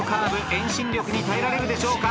遠心力に耐えられるでしょうか。